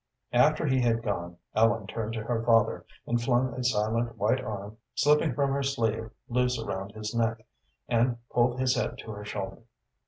After he had gone, Ellen turned to her father, and flung a silent white arm slipping from her sleeve loose around his neck, and pulled his head to her shoulder.